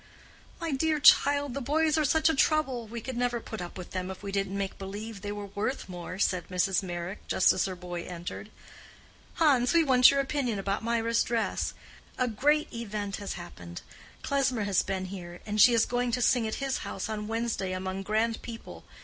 "My dear child, the boys are such a trouble—we could never put up with them, if we didn't make believe they were worth more," said Mrs. Meyrick, just as her boy entered. "Hans, we want your opinion about Mirah's dress. A great event has happened. Klesmer has been here, and she is going to sing at his house on Wednesday among grand people.